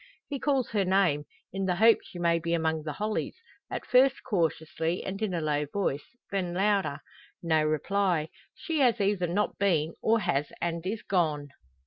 He calls her name in the hope she may be among the hollies at first cautiously and in a low voice, then louder. No reply; she has either not been, or has and is gone.